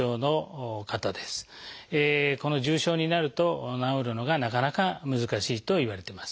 この重症になると治るのがなかなか難しいといわれてます。